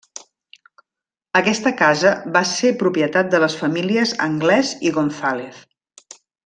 Aquesta casa va ser propietat de les famílies Anglès i González.